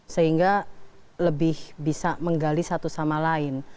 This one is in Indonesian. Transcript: sehingga lebih bisa menggali satu sama lain